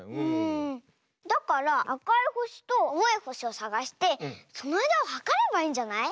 だからあかいほしとあおいほしをさがしてそのあいだをはかればいいんじゃない？